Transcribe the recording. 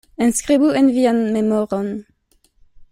Enskribu en vian memoron.